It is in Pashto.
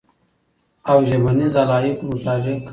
او ژبنیز علایقو مطابق